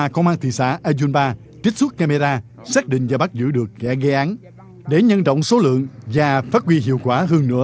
cũng như là quyết định đầu tư có hiệu quả hơn